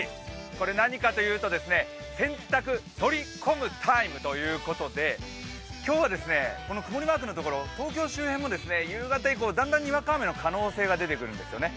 これ何かというと洗濯取り込むタイムということで今日は曇りマークのところ、東京周辺も夕方以降、だんだんにわか雨の可能性が出てくるんですね。